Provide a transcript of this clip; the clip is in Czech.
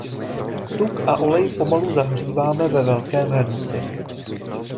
Tuk a olej pomalu zahříváme ve velkém hrnci.